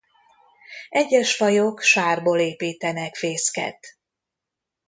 Egyes fajok sárból építenek fészket.